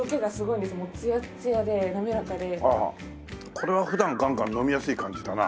これは普段ガンガン飲みやすい感じだな。